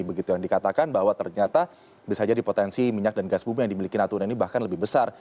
begitu yang dikatakan bahwa ternyata bisa jadi potensi minyak dan gas bumi yang dimiliki natuna ini bahkan lebih besar